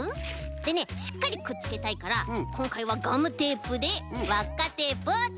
でねしっかりくっつけたいからこんかいはガムテープでわっかテープをつくるよ。